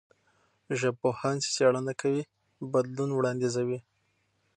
ژبپوهان چې څېړنه کوي، بدلون وړاندیزوي.